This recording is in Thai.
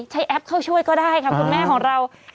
แอปเข้าช่วยก็ได้ค่ะคุณแม่ของเรา